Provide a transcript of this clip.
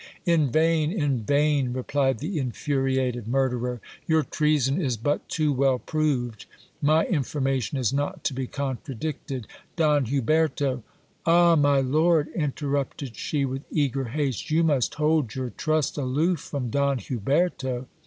In vain, in vain, replied the infuriated murderer ; your treason is but too well proved. My information is not to be contradicted : Don Huberto Ah ! my lord, interrupted she with eager haste, you must hold your trust aloof from Don Huberto.